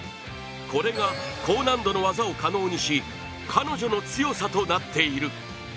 これが高難度の技を可能にし、彼女の強さとなっている。